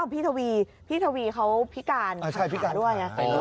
พี่ทวีเขาพิการภาคาด้วย